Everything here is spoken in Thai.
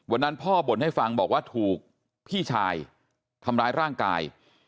พ่อบ่นให้ฟังบอกว่าถูกพี่ชายทำร้ายร่างกาย